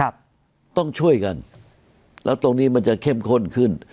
ครับต้องช่วยกันแล้วตรงนี้มันจะเข้มข้นขึ้น